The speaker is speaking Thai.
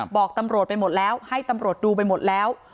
บอกตำรวจไปหมดแล้วให้ตำรวจดูไปหมดแล้ว